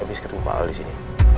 abis ketemu pak al disini